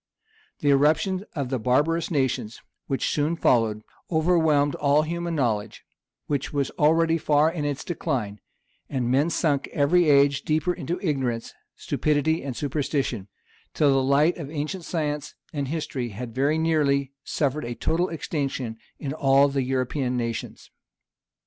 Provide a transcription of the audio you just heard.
The irruption of the barbarous nations which soon followed, overwhelmed all human knowledge, which was already far in its decline; and men sunk every age deeper into ignorance, stupidity, and superstition; till the light of ancient science and history had very nearly suffered a total extinction in all the European nations.